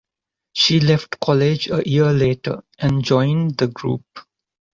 She left college a year later, and joined the group.